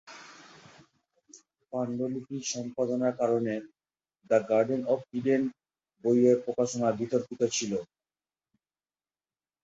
পাণ্ডুলিপি সম্পাদনার কারণে "দ্য গার্ডেন অব ইডেন" বইয়ের প্রকাশনা বিতর্কিত ছিল।